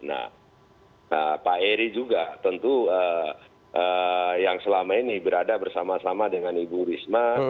nah pak eri juga tentu yang selama ini berada bersama sama dengan ibu risma